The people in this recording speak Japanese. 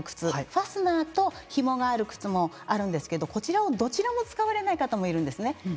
ファスナーとひもがある靴もあるんですけれどこちら、どちらも使わない方いらっしゃるんです。